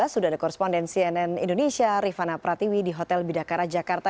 sudah ada koresponden cnn indonesia rifana pratiwi di hotel bidakara jakarta